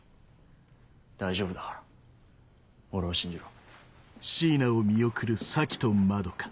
大丈夫だから俺を信じろ。